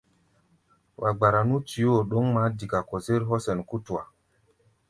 Wa gbara nú tuyóo ɗǒŋ ŋamá dika kɔ-zér hɔ́ sɛn kútua.